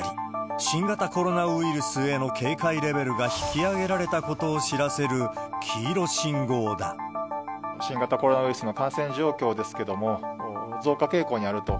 新型コロナウイルスへの警戒レベルが引き上げられたことを知らせ新型コロナウイルスの感染状況ですけれども、増加傾向にあると。